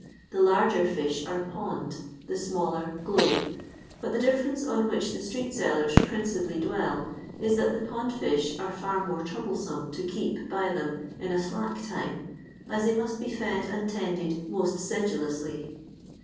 The larger fish are "pond;" the smaller, "glebe." But the difiference on which the street saUcn principally dwell is that the pond fish are bt more troublesome to keep by them in a '^ slack time," as they must be fed and tended most sedulously.